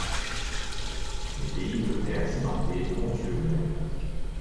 Le pays devenait accidenté, montueux même.